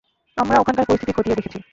আমরা ওখানকার পরিস্থিতি খতিয়ে দেখেছি!